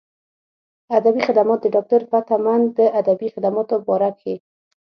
ادبي خدمات د ډاکټر فتح مند د ادبي خدماتو باره کښې